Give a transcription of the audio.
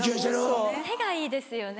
手がいいですよね。